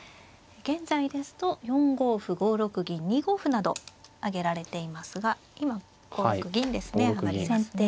現在ですと４五歩５六銀２五歩など挙げられていますが今５六銀ですね上がりますね。